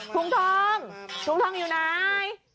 ถุงทองถุงทองอยู่ไหน